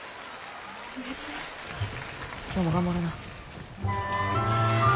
今日も頑張ろな。